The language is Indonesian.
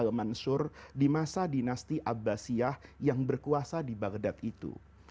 dia juga mansur di masa dinasti abbasiyah yang berkuasa di baghdad itu